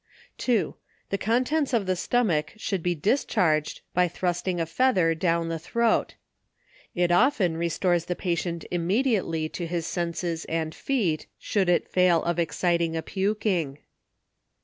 2. The contents of the stomach should be discharged, by thrusting a feather down the throat. It often restores the patient immediately to his senses and feet. Should it fail of exciting a puking, 3.